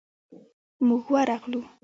موږ ورغلو.